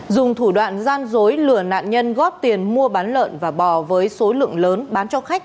dùng thủ đoạn gian dối lừa nạn nhân góp tiền mua bán lợn và bò với số lượng lớn bán cho khách